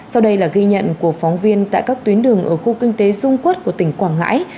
sau đây là ghi nhận của phóng viên tại các tuyến đường ở khu kinh tế dung quốc của tỉnh quảng ngãi